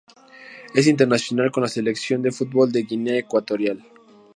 Es internacional con la Selección de fútbol de Guinea Ecuatorial.